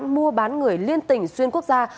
mua bán người liên tỉnh xuyên quốc gia